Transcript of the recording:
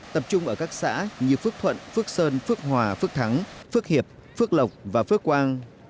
tập trung ở các xã như phước thuận phước sơn phước hòa phước thắng phước hiệp phước lộc và phước quang